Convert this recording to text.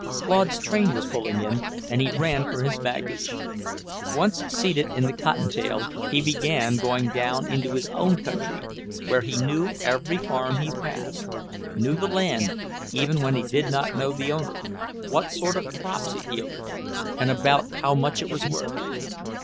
Claude's train was pulling in, and he ran for his baggage. Once seated in the "cotton tail," he began going down into his own country, where he knew every farm he passed, knew the land even when he did not know the owner, what sort of crops it yielded, and about how much it was worth.